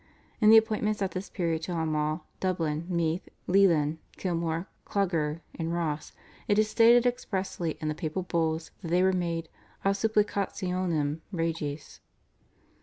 In the appointments at this period to Armagh, Dublin, Meath, Leighlin, Kilmore, Clogher, and Ross it is stated expressly in the papal Bulls that they were made /ad supplicationem regis